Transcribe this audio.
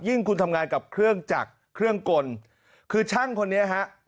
คุณทำงานกับเครื่องจักรเครื่องกลคือช่างคนนี้ฮะ